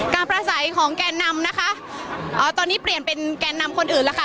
การปราศัยของแกนนำนะคะอ่าตอนนี้เปลี่ยนเป็นแกนนำคนอื่นนะคะ